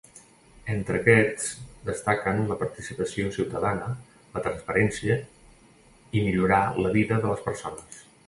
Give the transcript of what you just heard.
Entre aquests destaquen la participació ciutadana, la transparència i millorar la vida de les persones.